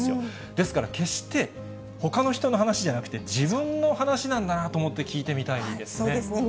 ですから決して、ほかの人の話じゃなくて自分の話なんだなと思って聞いてみたいでそうですね。